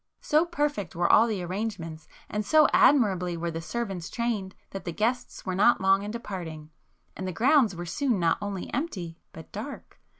So perfect were all the arrangements, and so admirably were the servants trained, that the guests were not long in departing,—and the grounds were soon not only empty, but dark.